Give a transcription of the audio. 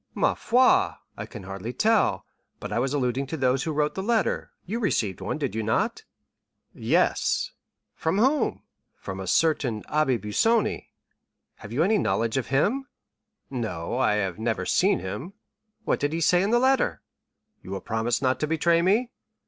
"Ma foi, I can hardly tell, but I was alluding to those who wrote the letter; you received one, did you not?" "Yes." "From whom?" "From a certain Abbé Busoni." "Have you any knowledge of him?" "No, I have never seen him." "What did he say in the letter?" "You will promise not to betray me?"